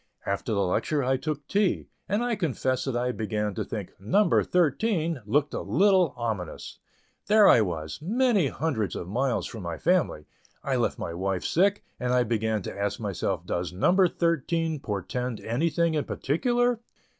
After the lecture I took tea, and I confess that I began to think "number thirteen" looked a little ominous. There I was, many hundreds of miles from my family; I left my wife sick, and I began to ask myself does "number thirteen" portend anything in particular?